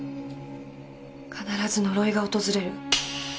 必ず呪いが訪れる。